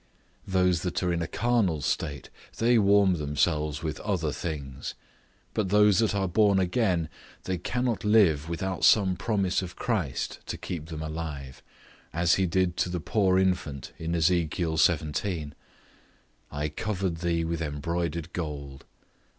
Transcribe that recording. Those that are in a carnal state, they warm themselves with other things; but those that are born again, they cannot live without some promise of Christ to keep them alive, as he did to the poor infant in Ezekiel xvii., "I covered thee with embroidered gold."